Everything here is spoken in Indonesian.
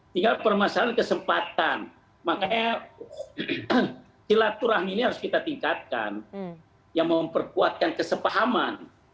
tinggal permasalahan kesempatan makanya silaturahmi ini harus kita tingkatkan yang memperkuatkan kesepahaman